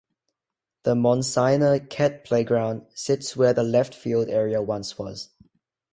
The Monsignor Kett Playground sits where the left field area once was.